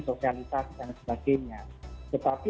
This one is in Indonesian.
sosialitas dan sebagainya tetapi